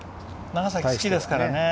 長崎、好きですからね。